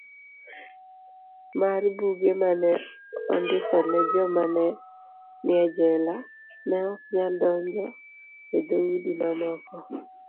mar Buge ma ne ondikone jomane nie jela neoknyal donjo e dhoudi mamoko.